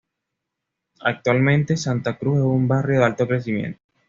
Actualmente, Santa Cruz es un barrio de alto crecimiento.